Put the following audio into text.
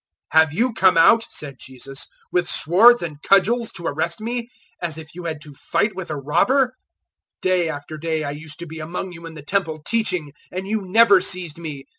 014:048 "Have you come out," said Jesus, "with swords and cudgels to arrest me, as if you had to fight with a robber? 014:049 Day after day I used to be among you in the Temple teaching, and you never seized me.